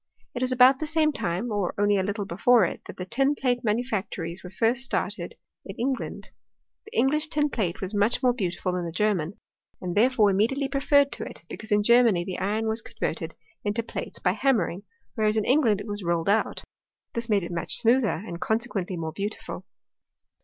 It waj^ about the same time, or only a little before it, that tin plate manufactories were first started in Eng^ land. The lilnj^lish tin plate was much more beautiful than the German, and therefore immediately preferred "*" Hecause in Germany the iron was converted into THEORY IN CHEMISTRT. 281 pbtes by hammering, whereas in England it was rolled OQt This made it much smoother, and consequently niore beautiful.